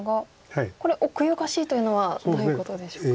これ奥ゆかしいというのはどういうことでしょうか？